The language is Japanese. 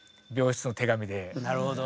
なるほど。